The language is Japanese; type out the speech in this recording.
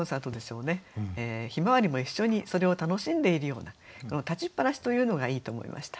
向日葵も一緒にそれを楽しんでいるようなこの「立ちつぱなし」というのがいいと思いました。